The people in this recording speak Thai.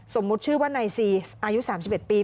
สมมุติชื่อว่านายซีอายุ๓๑ปี